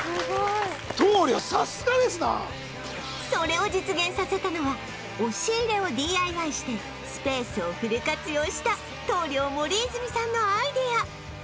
それを実現させたのは押し入れを ＤＩＹ してスペースをフル活用した棟梁森泉さんのアイデア